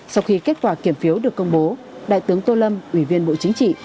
sau khi kết quả kiểm phiếu được công bố đại tướng tô lâm ủy viên bộ chính trị